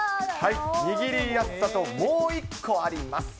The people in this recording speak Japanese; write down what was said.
握りやすさともう１個あります。